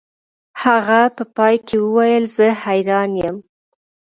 هغه په پای کې وویل زه حیران یم